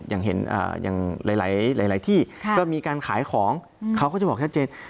อย่างหลายที่ก็มีการขายของเขาก็จะบอกชัดเจน